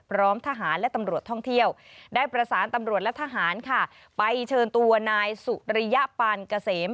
พร้อมทหารและตำรวจท่องเที่ยวได้ประสานตำรวจและทหารค่ะไปเชิญตัวนายสุริยปานเกษม